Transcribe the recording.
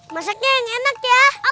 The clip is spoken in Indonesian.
masaknya yang enak ya